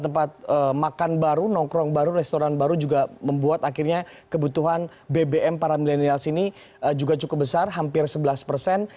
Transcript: tempat makan baru nongkrong baru restoran baru juga membuat akhirnya kebutuhan bbm para milenial sini juga cukup besar hampir sebelas persen